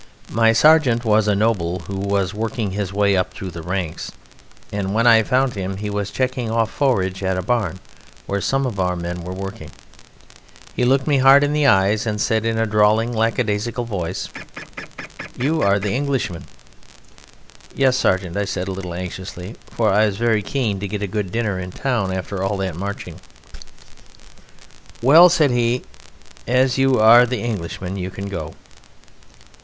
My Sergeant was a noble who was working his way up through the ranks, and when I found him he was checking off forage at a barn where some of our men were working. He looked me hard in the eyes, and said in a drawling lackadaisical voice: "You are the Englishman?" "Yes, Sergeant," said I a little anxiously (for I was very keen to get a good dinner in town after all that marching). "Well," said he, "as you are the Englishman you can go."